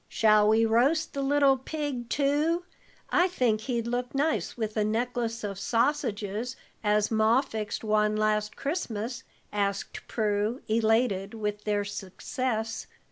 "Shall we roast the little pig, too? I think he'd look nice with a necklace of sausages, as Ma fixed one last Christmas," asked Prue, elated with their success.